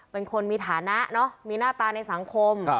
เป็นคนมีฐานะมีหน้าตาในสังคม